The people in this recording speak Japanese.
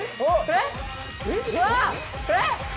えっ！？